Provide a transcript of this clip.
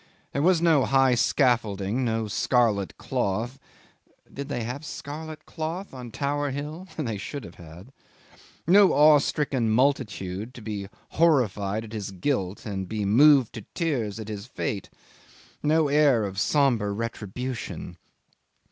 There was no high scaffolding, no scarlet cloth (did they have scarlet cloth on Tower Hill? They should have had), no awe stricken multitude to be horrified at his guilt and be moved to tears at his fate no air of sombre retribution.